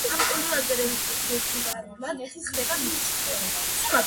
ამ კუნძულებზე რეგულარულად ხდება მიწისძვრები.